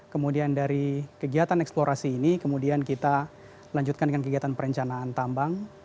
kemudian dari kegiatan eksplorasi ini kemudian kita lanjutkan dengan kegiatan perencanaan tambang